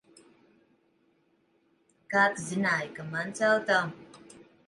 Kā tu zināji, ka mans auto?